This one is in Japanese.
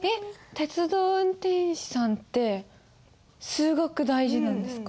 鉄道運転士さんって数学大事なんですか？